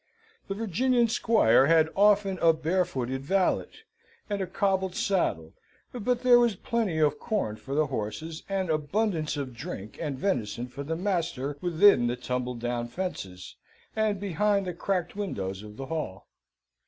The Virginian squire had often a barefooted valet, and a cobbled saddle; but there was plenty of corn for the horses, and abundance of drink and venison for the master within the tumble down fences, and behind the cracked windows of the hall.